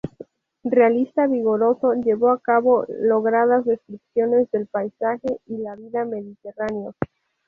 Realista vigoroso, llevó a cabo logradas descripciones del paisaje y la vida mediterráneos.